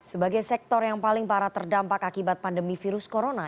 sebagai sektor yang paling parah terdampak akibat pandemi virus corona